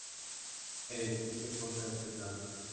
El edificio consta de tres naves.